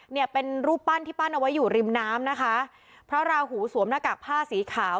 เนี่ยเป็นรูปปั้นที่ปั้นเอาไว้อยู่ริมน้ำนะคะพระราหูสวมหน้ากากผ้าสีขาว